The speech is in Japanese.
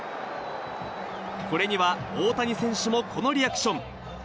これには、大谷選手もこのリアクション。